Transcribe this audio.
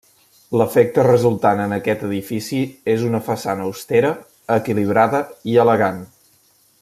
L'efecte resultant en aquest edifici és una façana austera, equilibrada i elegant.